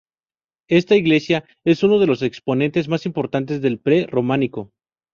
Esta iglesia es uno de los exponentes más importantes del pre-románico.